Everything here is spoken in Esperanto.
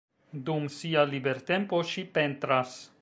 Dum sia libertempo ŝi pentras.